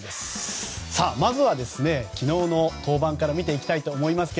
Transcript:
まずは昨日の登板から見ていきたいと思います。